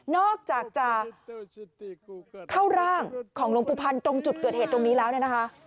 นอกจากจะเข้าร่างของหลวงปู่พันธ์ตรงจุดเกิดเหตุตรงนี้แล้วเนี่ยนะคะ